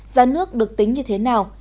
giá nước được tính như thế nào